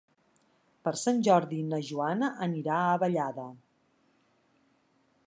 Per Sant Jordi na Joana anirà a Vallada.